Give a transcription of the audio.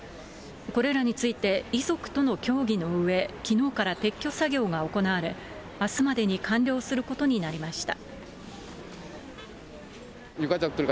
これらについて、遺族との協議のうえ、きのうから撤去作業が行われ、あすまでに完了することになりました。